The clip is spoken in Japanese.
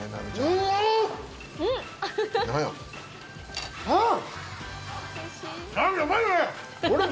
うん！